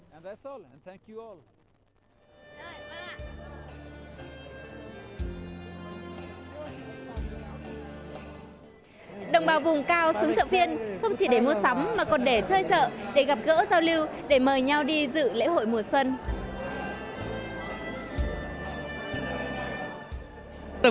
đồng bào vùng cao xuống chợ phiên không chỉ để mua sắm mà còn để chơi chợ để gặp gỡ giao lưu để mời nhau đi dự lễ hội mùa xuân